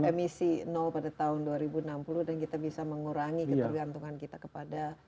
emisi nol pada tahun dua ribu enam puluh dan kita bisa mengurangi ketergantungan kita kepada